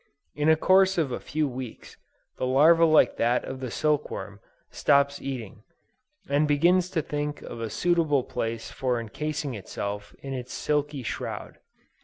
In the course of a few weeks, the larva like that of the silk worm, stops eating, and begins to think of a suitable place for encasing itself in its silky shroud.